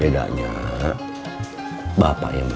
harganya juga bagus